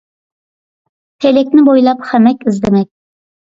پېلەكنى بويلاپ خەمەك ئىزدىمەك